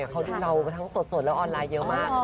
เขาดูเราทั้งสดและออนไลน์เยอะมาก